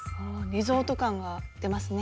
リゾート感が出ますね。